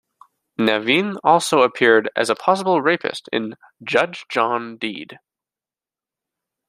Navin also appeared as a possible rapist in "Judge John Deed".